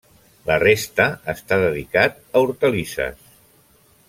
La resta està dedicat a hortalisses.